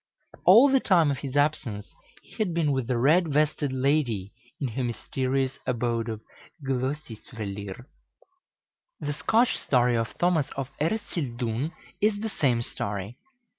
All the time of his absence he had been with the red vested lady in her mysterious abode of Glœsisvellir. The Scotch story of Thomas of Ercildoune is the same story.